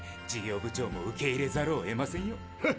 事業部長も受け入れざるをえませんよ。